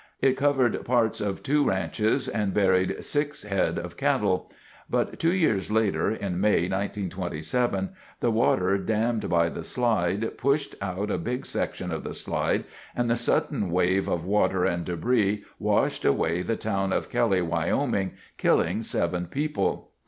It covered parts of two ranches and buried six head of cattle. But two years later, in May, 1927, the water dammed by the slide pushed out a big section of the slide and the sudden wave of water and debris washed away the town of Kelly, Wyoming, killing seven people.